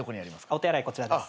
お手洗いこちらです。